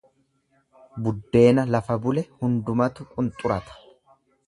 Buddeena lafa bule hundumatu qunxurata.